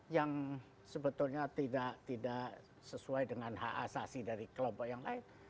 yang sebetulnya tidak sesuai dengan hak asasi dari kelompok yang lain